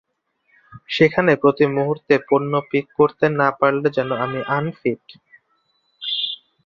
সেখানে প্রতিমুহূর্তে পণ্য পিক করতে না পারলে যেন আমি আনফিট।